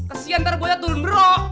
kesian ntar gue jatuhin bro